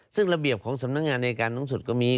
ซึ่งระเบียบของสำนักงานในการสูงสุดก็มี